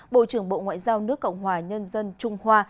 bộ trưởng bộ ngoại giao nước cộng hòa nhân dân trung hoa